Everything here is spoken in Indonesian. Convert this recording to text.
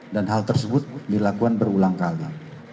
dan hal tersebut dilakukan berulang kali